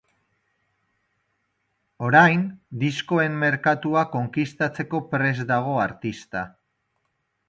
Orain, diskoen merkatua konkistatzeko rpest dago artista.